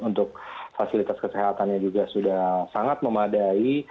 untuk fasilitas kesehatannya juga sudah sangat memadai